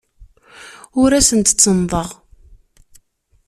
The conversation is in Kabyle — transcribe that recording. Ur asen-d-ttennḍeɣ.